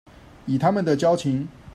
以他們的交情